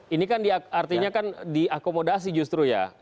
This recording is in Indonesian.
ini kan artinya kan diakomodasi justru ya